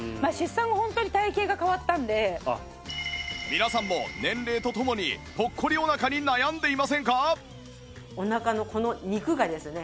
皆さんも年齢とともにポッコリお腹に悩んでいませんか？